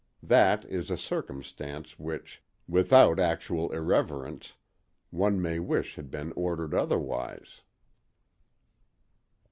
That is a circumstance which, without actual irreverence, one may wish had been ordered otherwise.